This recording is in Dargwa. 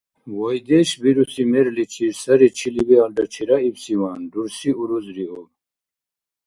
Вайдеш бируси мерличир сари чили-биалра чераибсиван, рурси урузриуб.